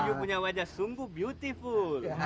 ibu punya wajah sungguh beautiful